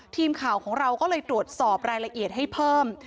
ทีมข่าวของเราก็เลยตรวจสอบรายละเอียดให้เพิ่ม